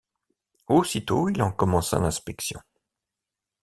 Aussitôt il en commença l’inspection.